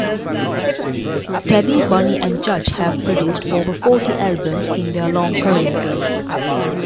Tabby, Bunny and Judge have produced over forty albums in their long career.